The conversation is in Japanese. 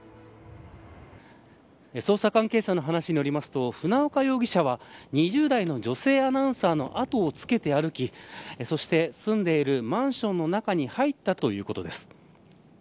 捜査関係者の話によりますと船岡容疑者は２０代の女性アナウンサーの後をつけて歩きそして、住んでいるマンションの中に入ったということです。